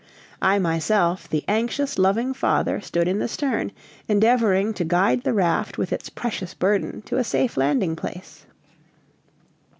I myself, the anxious, loving father, stood in the stern, endeavoring to guide the raft with its precious burden to a safe landing place.